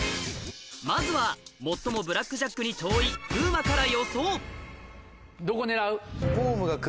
まずは最もブラックジャックに遠い風磨から予想どこ狙う？